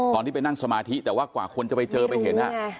ตอนที่ไปนั่งสมาธิแต่ว่ากว่าคนจะไปเจอไปเห็น